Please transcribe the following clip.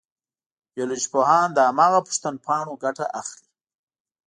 بیولوژي پوهان له هماغه پوښتنپاڼو ګټه اخلي.